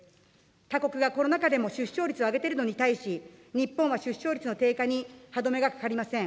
他国がコロナ禍でも出生率を上げているのに対し、日本は出生率の低下に歯止めがかかりません。